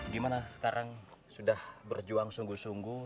gimana sekarang sudah berjuang sungguh sungguh